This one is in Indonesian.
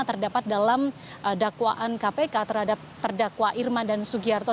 terdapat dalam dakwaan kpk terhadap terdakwa irma dan sugiharto